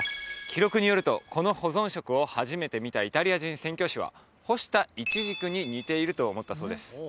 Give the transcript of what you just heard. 記録によるとこの保存食を初めて見たイタリア人宣教師は「干したイチジクに似ている」と思ったそうです